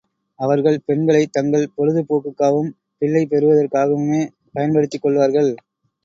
அவர்கள் பெண்களைத் தங்கள் பொழுது போக்குக்காகவும், பிள்ளை பெறுவதற்காகவுமே பயன்படுத்திக்கொள்வார்கள்.